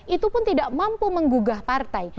itu pun tidak mampu menggugah partai